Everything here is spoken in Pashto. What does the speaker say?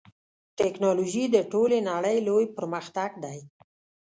ټکنالوژي د ټولې نړۍ لوی پرمختګ دی.